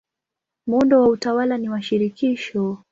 Muundo wa utawala ni wa shirikisho.